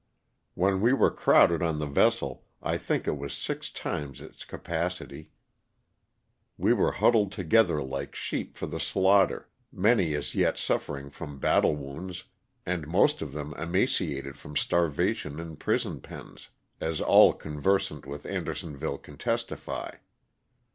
When we were crowded on the vessel, I think it was six times its capacity, we were huddled together like sheep for the slaughter, many as yet suffering from battle wounds and most of them emaciated from starvation in prison pens, as all conversant with Andersonville can testify.